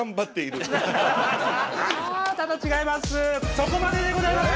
そこまででございます。